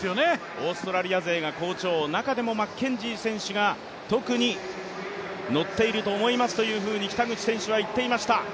オーストラリア勢が好調、中でもマッケンジー選手が特にノっていると思いますというふうに北口選手は言っていました。